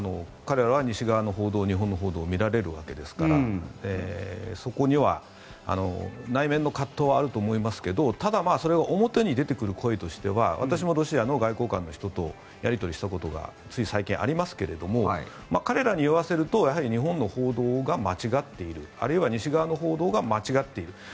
彼らは西側の報道、日本の報道を見られるわけですからそこには内面の葛藤はあると思いますけどただ、それは表に出てくる声としては私もロシアの外交官の人とやり取りをしたことがつい最近、ありますけれど彼らに言わせると日本の報道が間違っているあるいは西側の報道が間違っている。